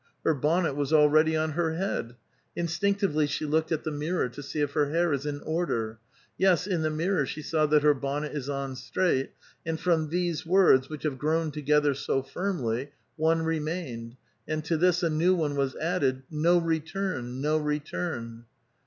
Her bonnet was already on her head ; instinct ively she looked at the mirror to see if her hair is in oi*der ; yes, in the mirror she saw that her bonnet is on straight, and from these words, which have grown together so firmly, one remained, and to this a new one was added, ^^ No re turn ! no return